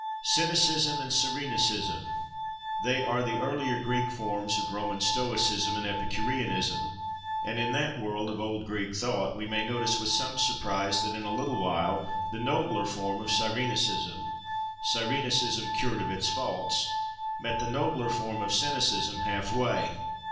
Cynicism and Cyrenaicism:—they are the earlier Greek forms of Roman Stoicism and Epicureanism, and in that world of old Greek thought, we may notice with some surprise that, in a little while, the nobler form of Cyrenaicism—Cyrenaicism cured of its faults—met the nobler form of Cynicism half way.